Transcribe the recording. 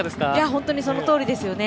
本当に、そのとおりですよね。